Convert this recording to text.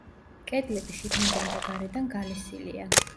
კედლები შიგნიდან და გარედან გალესილია.